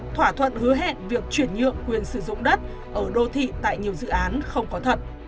thỏa thuận hứa hẹn việc chuyển nhượng quyền sử dụng đất ở đô thị tại nhiều dự án không có thật